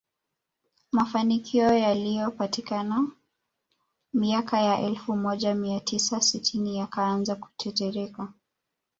Mafanikio yaliyopatikana miaka ya elfu moja mia tisa sitini yakaanza kutetereka